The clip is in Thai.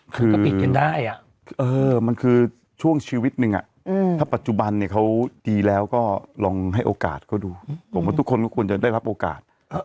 คือก็ปิดกันได้มันคือช่วงชีวิตนึงถ้าปัจจุบันเนี่ยเขาดีแล้วก็ลองให้โอกาสเขาดูผมว่าทุกคนก็ควรจะได้รับโอกาส